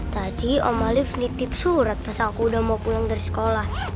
tadi om alif nitip surat pas aku udah mau pulang dari sekolah